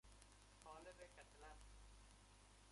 قالب کتلت